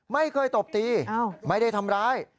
ไม่เคยตบตีไม่ได้ทำร้าย